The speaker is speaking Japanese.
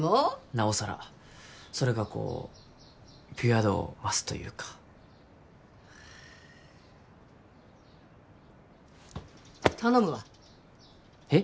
なおさらそれがこうピュア度を増すというかはあっ頼むわえっ！？